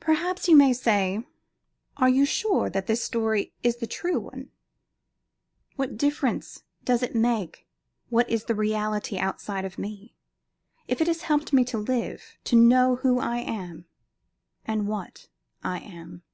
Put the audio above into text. Perhaps you may say, "Are you sure that this story is the true one?" What difference does it make what is the reality outside of me, if it has helped me to live, to know who I am and what I am?